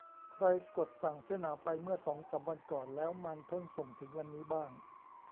ใครกดสั่งเสื้อหนาวไปเมื่อสองสามวันก่อนแล้วมันเพิ่งส่งถึงวันนี้บ้าง